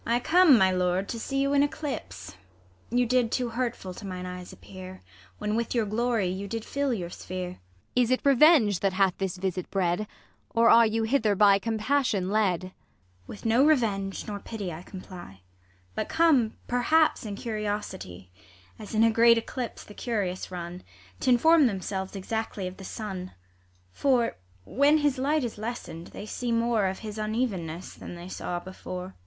Enter Isabella. ISAB. I come, my lord, to see you in eclipse : You did too hurtful to mine eyes appear, When with your glory you did fill your sphere. Ang. Is it revenge that hath this visit bred ; Or are you hither by compassion led % ISAB. With no revenge nor pity I comply, But come, perhaps, in curiosity ; As in a great eclipse the curious run T'inform themselves exactly of the sun : For, when his light is lessen'd, they see more Of his unevenness, than they saw before.